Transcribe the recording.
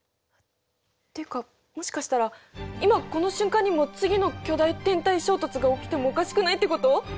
っていうかもしかしたら今この瞬間にも次の巨大天体衝突が起きてもおかしくないってこと！？